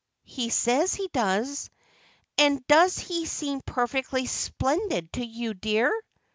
"He says he does." "And does he seem perfectly splendid to you, dear?"